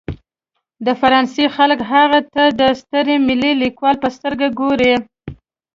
د فرانسې خلک هغه ته د ستر ملي لیکوال په سترګه ګوري.